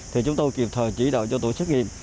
thì chúng tôi kịp thời chỉ đạo cho tổ xét nghiệm